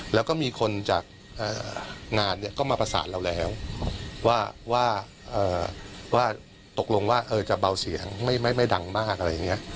แล้วก็มีคนจากงานเนี่ยก็มาประสานเราแล้วว่าตกลงว่าจะเบาเสียงไม่ดังมากอะไรอย่างนี้